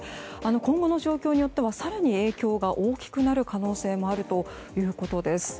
今後の状況によっては更に影響が大きくなる可能性もあるということです。